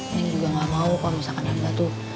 neng juga gak mau kalo misalkan abah tuh